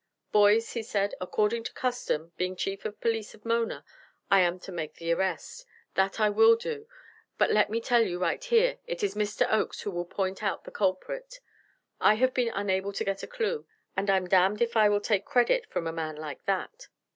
"Boys," he said, "according to custom, being Chief of Police of Mona, I am to make the arrest. That I will do, but let me tell you right here it is Mr. Oakes who will point out the culprit. I have been unable to get a clue, and I am damned if I'll take credit from a man like that."